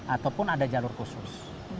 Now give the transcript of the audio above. ataupun ada jalur khusus